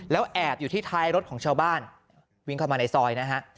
แล้วแอบอยู่ที่ท้ายรถของชาวบ้านวิ่งเข้ามาในซอยนะฮะ